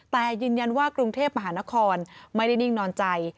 แต่ยืนยันว่ากรุงเทพมหานครไม่ได้นิ่งนอนใจ